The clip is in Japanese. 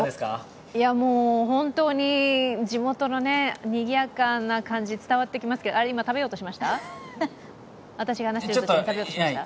本当に地元のにぎやかな感じ、伝わってきますけど、今、私が話しているときに食べようとしました？